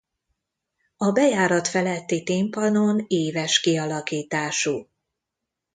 A bejárat feletti timpanon íves kialakítású.